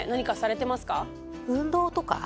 運動とか？